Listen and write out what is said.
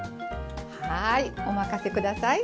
はいお任せ下さい。